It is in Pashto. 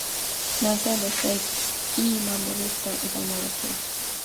ناسا د سایکي ماموریت ته ادامه ورکوي.